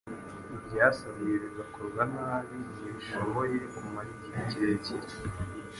ibyasabwe bigakorwa nabi, ntibishobore kumara igihe kirekire,